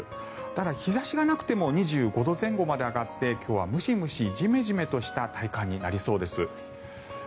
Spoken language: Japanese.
ただ、日差しがなくても２５度前後まで上がって今日はムシムシ、ジメジメとした体感になりそうです。